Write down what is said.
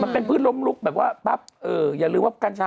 เป็น๑๐๐๐ต้นได้๑ขวด